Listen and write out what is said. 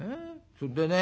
「それでね